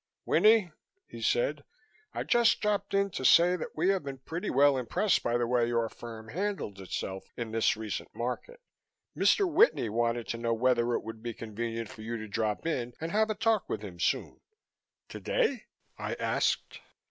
"Winnie," he said, "I just dropped in to say that we have been pretty well impressed by the way your firm handled itself in this recent market. Mr. Whitney wanted to know whether it would be convenient for you to drop in and have a talk with him soon." "Today?" I asked.